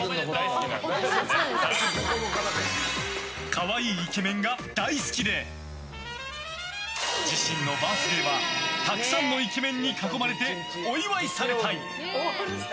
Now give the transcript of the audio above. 可愛いイケメンが大好きで自身のバースデーはたくさんのイケメンに囲まれてお祝いされたい！